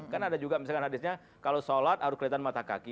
kan ada juga misalkan hadisnya kalau sholat harus kelihatan mata kaki